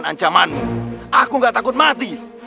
dan kau akan kupiarkan hidup